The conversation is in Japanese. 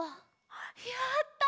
やった！